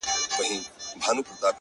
غټي سترگي شينكى خال د چا د ياد،